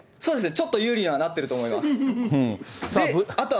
ちょっと有利にはなってると思います。